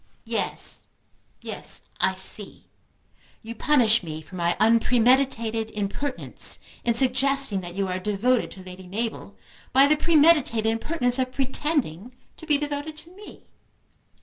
"Yes; yes. I see. You punish me for my unpremeditated impertinence in suggesting that you are devoted to Lady Mabel by the premeditated impertinence of pretending to be devoted to me."